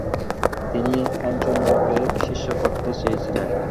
তিনি হেমচন্দ্রকে শিষ্য করতে চেয়েছিলেন।